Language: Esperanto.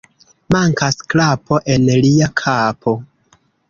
Mankas klapo en lia kapo.